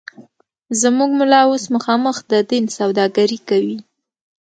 زموږ ملا اوس مخامخ د دین سوداگري کوي